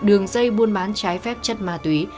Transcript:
đường dây buôn bán trái phép chất ma túy